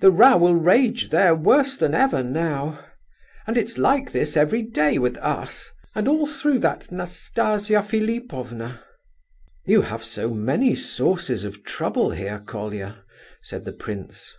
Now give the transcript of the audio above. "The row will rage there worse than ever now; and it's like this every day with us—and all through that Nastasia Philipovna." "You have so many sources of trouble here, Colia," said the prince.